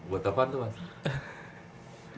buat apaan tuh mas